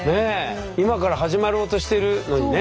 今から始まろうとしてるのにね。